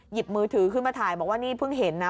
หยิบมือถือขึ้นมาถ่ายบอกว่านี่เพิ่งเห็นนะ